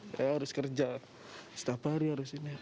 saya harus kerja setiap hari harus ini